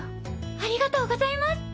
ありがとうございます。